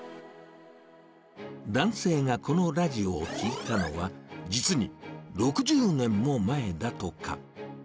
男性がこのラジオを聞いたのは、実に６０年も前だとか。